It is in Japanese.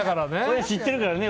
親、知ってるからね。